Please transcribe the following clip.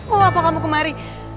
oh apa kamu kemari